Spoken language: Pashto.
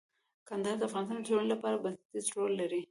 کندهار د افغانستان د ټولنې لپاره بنسټيز رول لري.